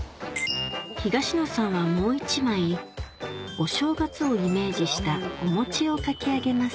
東野さんはもう１枚お正月をイメージしたお餅を描き上げます